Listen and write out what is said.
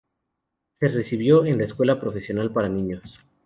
Se recibió en la Escuela Profesional para Niños.